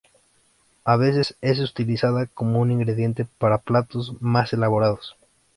A veces es utilizada como un ingrediente para platos más elaborados.